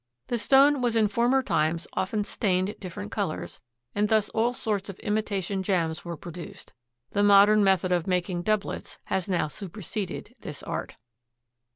The stone was in former times often stained different colors, and thus all sorts of imitation gems were produced. The modern method of making doublets has now superseded this art.